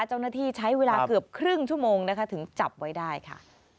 เจ้าหน้าที่ใช้เวลาเกือบครึ่งชั่วโมงนะคะถึงจับไว้ได้ค่ะ